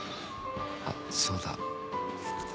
あっそうだ。